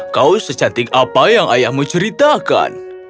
kau secantik apa yang ayahmu ceritakan